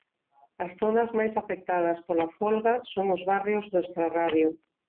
As zonas máis afectadas pola folga son os barrios do extrarradio.